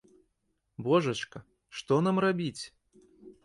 Божачка, што нам рабіць?